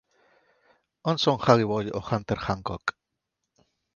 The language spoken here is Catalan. On són Huggy Boy o Hunter Hancock?